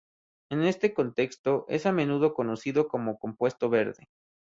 En este contexto, es a menudo conocido como compuesto verde.